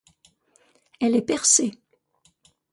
Elle est percée.